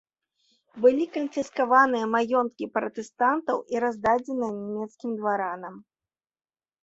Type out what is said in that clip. Былі канфіскаваныя маёнткі пратэстантаў і раздадзеныя нямецкім дваранам.